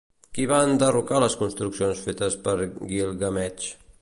Qui va enderrocar les construccions fetes per Guilgameix?